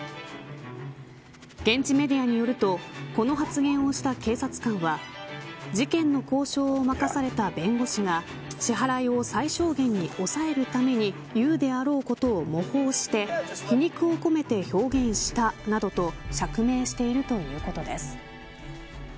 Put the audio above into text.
現地メディアによるとこの発言をした警察官は事件の交渉を任された弁護士が支払いを最小限に抑えるために言うであろうことを模倣して皮肉を込めて表現したなどと釈明しているということです。